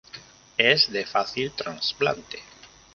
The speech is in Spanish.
Es de fácil trasplante.